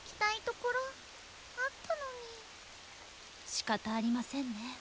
しかたありませんね。